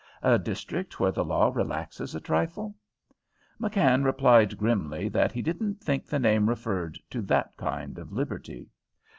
A district where the law relaxes a trifle?" McKann replied grimly that he didn't think the name referred to that kind of liberty.